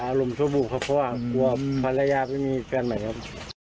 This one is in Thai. อารมณ์ชั่ววูบครับเพราะว่ากลัวภรรยาไม่มีแฟนใหม่ครับ